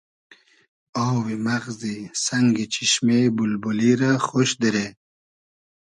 آوی مئغزی سئنگی چیشمې بولبولی رۂ خۉش دیرې